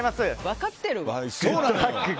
分かってるわ！